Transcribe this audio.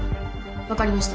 分かりました。